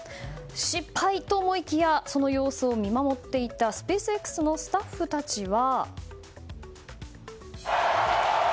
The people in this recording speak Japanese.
失敗と思いきやその様子を見守っていたスペースＸのスタッフたちは。